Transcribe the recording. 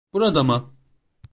Burada mı?